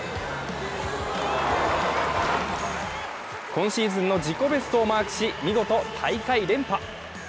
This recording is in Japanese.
今シーズンの自己ベストをマークし、見事、大会連覇。